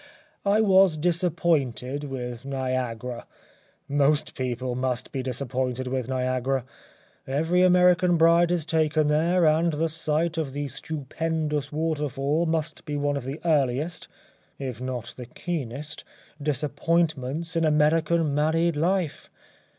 I was disappointed with Niagara most people must be disappointed with Niagara. Every American bride is taken there, and the sight of the stupendous waterfall must be one of the earliest, if not the keenest, disappointments in American married life.